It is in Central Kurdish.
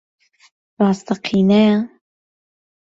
ڕاستەقینەیە؟